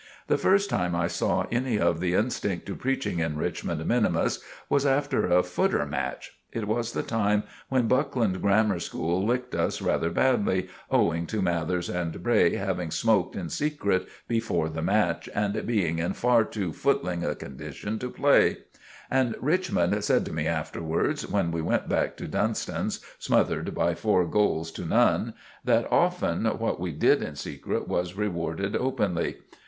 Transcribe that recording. The first time I saw any of the instinct to preaching in Richmond minimus was after a footer match. It was the time when Buckland Grammar School licked us rather badly, owing to Mathers and Bray having smoked in secret before the match and being in far too footling a condition to play; and Richmond said to me afterwards, when we went back to Dunstan's, smothered by four goals to none, that often what we did in secret was rewarded openly.